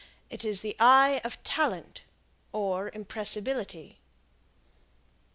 It is the eye of talent, or impressibility.